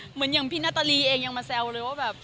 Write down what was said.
เหมือนอย่างพี่นาตาลีเองยังมาแซวเลยว่าแบบ